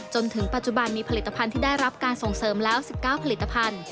จนถึงปัจจุบันมีผลิตภัณฑ์ที่ได้รับการส่งเสริมแล้ว๑๙ผลิตภัณฑ์